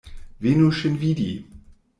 Venu ŝin vidi.